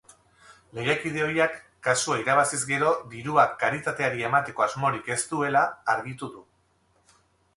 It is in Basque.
Lehiakide ohiak kasua irabaziz gero dirua karitateari emateko asmorik ez duela argitu du.